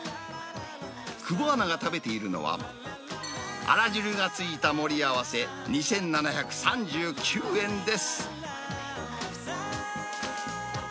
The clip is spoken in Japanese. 久保アナが食べているのは、あら汁が付いた盛り合わせ２７３９円です。